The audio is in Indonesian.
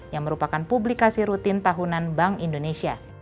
yang merupakan publikasi rutin tahunan bank indonesia